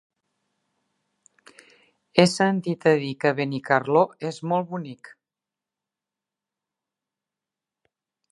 He sentit a dir que Benicarló és molt bonic.